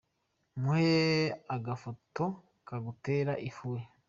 Muhe agafoto kagutera ifuhe